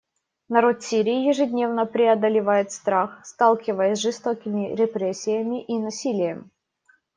Народ Сирии ежедневно преодолевает страх, сталкиваясь с жестокими репрессиями и насилием.